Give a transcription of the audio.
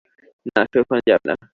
না, সে ওখানে যাবে না।